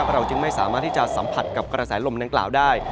เราจึงไม่สามารถที่จะสัมผัสกับกระแสลมดังกล่าวได้